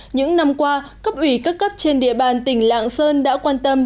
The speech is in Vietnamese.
những năm qua cấp ủy các cấp trên địa bàn tỉnh lạng sơn đã quan tâm